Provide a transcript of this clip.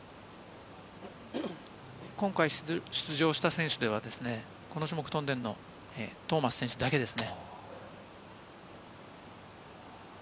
今回出場した選手では、この種目を飛んでいるのがトーマス選手だけですね。